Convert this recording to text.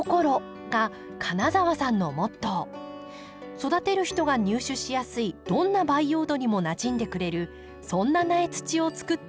育てる人が入手しやすいどんな培養土にもなじんでくれるそんな苗土をつくっているのです。